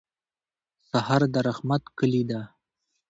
سهار د رحمت کلي ده.